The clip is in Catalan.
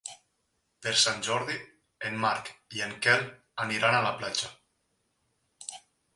Per Sant Jordi en Marc i en Quel aniran a la platja.